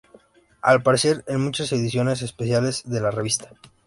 Aparece en muchas ediciones especiales de la revista.